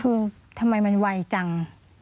คือทำไมมันไวจัง